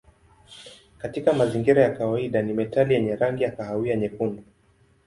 Katika mazingira ya kawaida ni metali yenye rangi ya kahawia nyekundu.